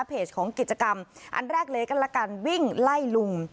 เพจของกิจกรรมอันแรกเลยก็ละกันวิ่งไล่ลุง